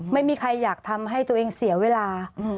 ไม่มีใครอยากทำให้ตัวเองเสียเวลา